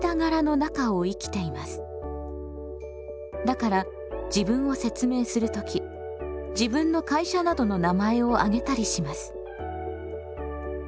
だから自分を説明する時自分の会社などの名前を挙げたりします。